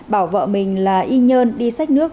bảo vợ mình là y nhân đi sách nước